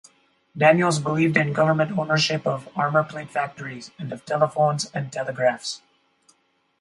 Daniels believed in government ownership of armor-plate factories, and of telephones and telegraphs.